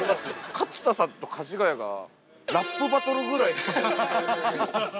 ◆勝田さんと、かじがやが、ラップバトルぐらい家電の情報を。